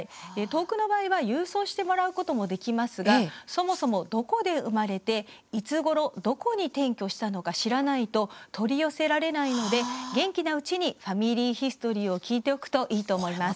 遠くの場合は郵送してもらうこともできますがそもそも、どこで生まれていつごろ、どこに転居したのか知らないと取り寄せられないので元気なうちにファミリーヒストリーを聞いておくといいと思います。